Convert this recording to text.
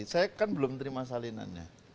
saya kan belum terima salinannya